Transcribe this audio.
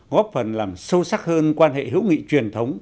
góp phần làm sâu sắc hơn quan hệ hữu nghị truyền thống